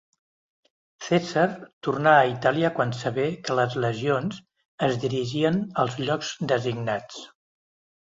Cèsar tornà a Itàlia quan sabé que les legions es dirigien als llocs designats.